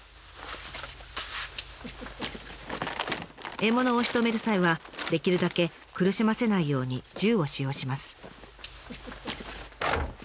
獲物をしとめる際はできるだけ苦しませないように銃を使用します。